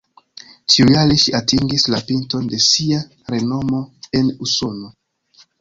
Tiujare ŝi atingis la pinton de sia renomo en Usono.